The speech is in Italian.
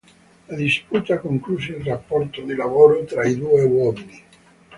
La disputa concluse il rapporto di lavoro tra i due uomini.